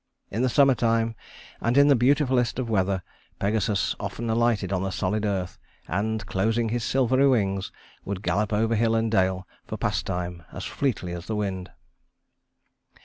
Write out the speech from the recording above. In the summer time, and in the beautifullest of weather, Pegasus often alighted on the solid earth, and, closing his silvery wings, would gallop over hill and dale for pastime as fleetly as the wind."